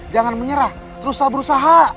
jangan menyerah teruslah berusaha